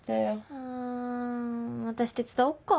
あぁ私手伝おっか？